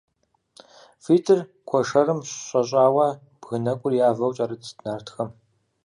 ВитӀыр куэшэрым щӀэщӀауэ бгы нэкӀур явэу кӀэрытт нартхэр.